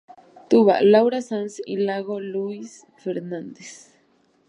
Tuba:Laura Sanz y Iago Lois Fernández.